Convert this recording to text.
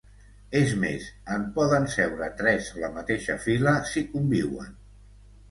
És més, en poden seure tres a la mateixa fila si conviuen.